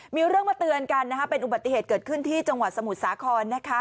มีเรื่องมาเตือนกันนะคะเป็นอุบัติเหตุเกิดขึ้นที่จังหวัดสมุทรสาครนะคะ